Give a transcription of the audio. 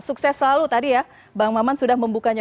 sukses selalu tadi ya bang maman sudah membukanya